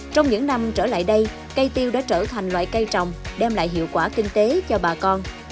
trong những năm trở lại đây cây tiêu đã trở thành loại cây trồng đem lại hiệu quả kinh tế cho bà con